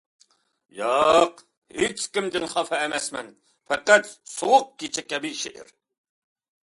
ياق، ھېچكىمدىن خاپا ئەمەسمەن، پەقەت سوغۇق كېچە كەبى شېئىر.